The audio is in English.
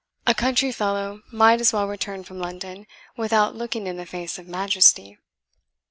A country fellow might as well return from London without looking in the face of majesty.